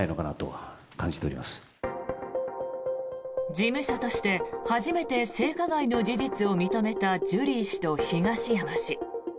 事務所として初めて性加害の事実を認めたジュリー氏と東山氏。